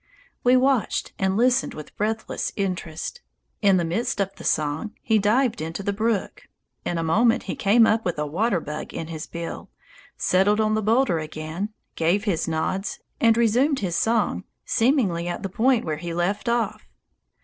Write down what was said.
We watched and listened with breathless interest. In the midst of the song he dived into the brook; in a moment he came up with a water bug in his bill, settled on the boulder again, gave his nods, and resumed his song, seemingly at the point where he left off.